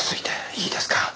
いいですか？